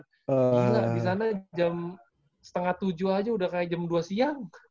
tidak di sana jam setengah tujuh aja udah kayak jam dua siang